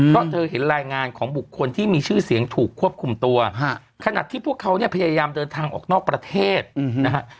เพราะเธอเห็นรายงานของบุคคลที่มีชื่อเสียงถูกควบคุมตัวขนาดที่พวกเขาเนี่ยพยายามเดินทางออกนอกประเทศนะฮะ